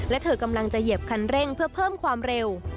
และเธอกำลังจะเหยียบคันเร่งเพื่อเพิ่มความเร็ว